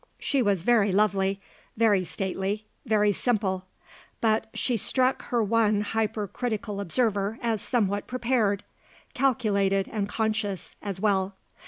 She was very lovely, very stately, very simple; but she struck her one hypercritical observer as somewhat prepared; calculated and conscious, as well.